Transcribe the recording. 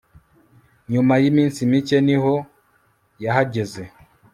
Nyuma yiminsi mike niho yahageze